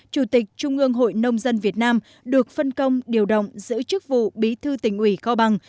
chủ tịch trung ương hội nông dân việt nam được phân công điều động giữ chức vụ bí thư tỉnh ủy cao bằng